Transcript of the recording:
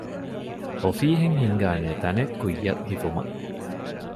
އޮފީހެއް ހިންގާނޭ ތަނެއް ކުއްޔަށް ހިފުމަށް